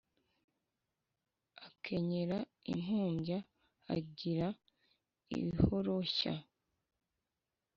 Akenyera impumbya agira ihoroshya.